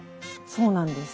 そうなんです。